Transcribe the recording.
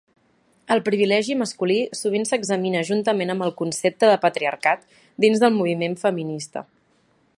El privilegi masculí sovint s'examina juntament amb el concepte de patriarcat dins del moviment feminista.